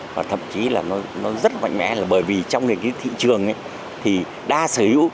và thậm chí là nó rất mạnh mẽ là bởi vì trong nền thị trường thì đa sở hữu